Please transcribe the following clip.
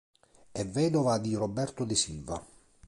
È vedova di Roberto de Silva.